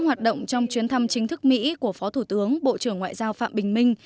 hoạt động trong chuyến thăm chính thức mỹ của phó thủ tướng bộ trưởng ngoại giao phạm bình minh